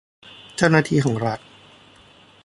เจ้าหน้าที่ของรัฐ